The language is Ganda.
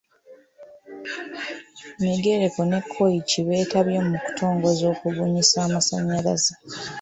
Migereko ne Koiichi beetabye mu kutongoza okubunyisa amasannyalaze.